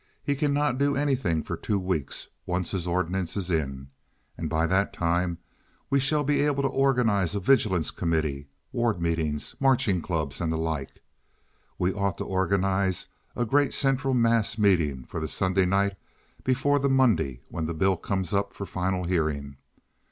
He cannot do anything for two weeks, once his ordinance is in, and by that time we shall be able to organize a vigilance committee, ward meetings, marching clubs, and the like. We ought to organize a great central mass meeting for the Sunday night before the Monday when the bill comes up for final hearing.